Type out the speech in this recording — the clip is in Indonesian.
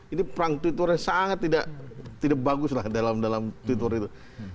ini perang twitternya sangat tidak bagus lah dalam twitter itu